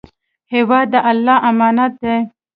هېواد د الله امانت دی.